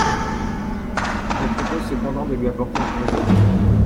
Je propose cependant de lui apporter un correctif.